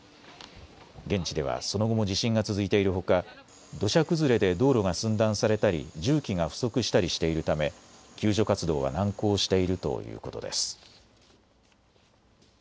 現地ではその後も地震が続いているほか土砂崩れで道路が寸断されたり重機が不足したりしているため救助活動は難航しているということです。